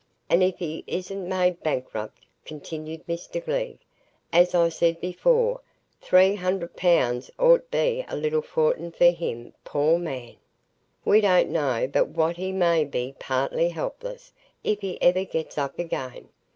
"And if he isn't made bankrupt," continued Mr Glegg, "as I said before, three hundred pounds 'ud be a little fortin for him, poor man. We don't know but what he may be partly helpless, if he ever gets up again.